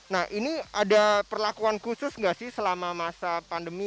nah ini ada perlakuan khusus nggak sih selama masa pandemi